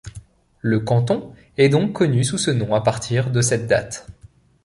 Le canton est donc connu sous ce nom à partir de cette date.